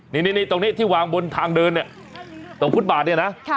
นี่ตรงนี้ที่วางบนทางเดินเนี่ยตรงฟุตบาทเนี่ยนะ